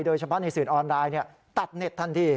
โดยเฉพาะในสื่อออนไลน์นี้ตัดเน็ตทันที